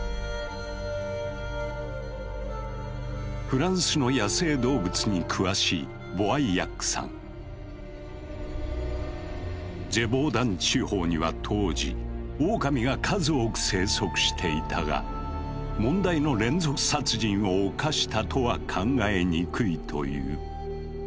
フランスの野生動物に詳しいジェヴォーダン地方には当時オオカミが数多く生息していたが問題の連続殺人を犯したとは考えにくいという。